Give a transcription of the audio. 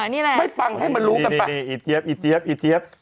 นี่แหละดีไอเจี๊บไอเจี๊บไอเจี๊บ